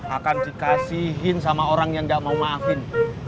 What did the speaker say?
akan dikasihin sama orang yang tidak mau maafin